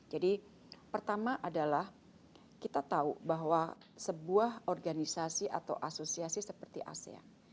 jadi pertama adalah kita tahu bahwa sebuah organisasi atau asosiasi seperti asean